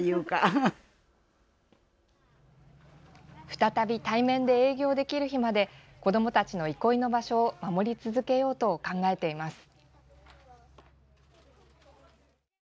再び対面で営業できる日まで子どもたちの憩いの場所を守り続けようと考えています。